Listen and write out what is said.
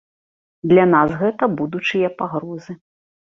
Для нас гэта будучыя пагрозы.